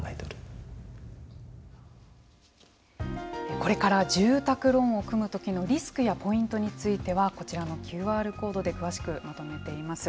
これから住宅ローンを組む時のリスクやポイントについてはこちらのＱＲコードで詳しくまとめています。